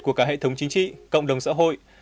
của cả hệ thống chính trị cộng đồng xã hội